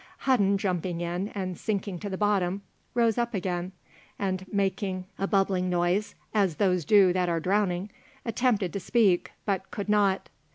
Hudden jumping in, and sinking to the bottom, rose up again, and making a bubbling noise, as those do that are drowning, attempted to speak, but could not.